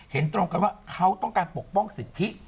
เห็นตรงกันว่าเขาต้องการปกป้องสิทธิ